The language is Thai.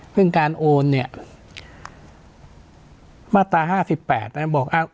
ซึ่งการโอนเนี้ยมาตราห้าสิบแปดเนี้ยบอกอ่า